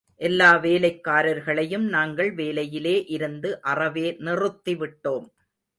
எல்லா வேலைக்காரர்களையும் நாங்கள் வேலையிலே இருந்து அறவே நிறுத்திவிட்டோம்.